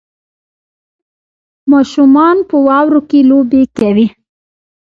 ماشومان په واورو کې لوبې کوي